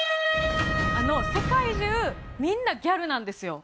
世界中みんなギャルなんですよ。